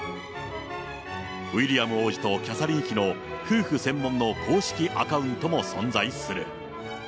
ウィリアム王子とキャサリン妃の夫婦専門の公式アカウントも存在する。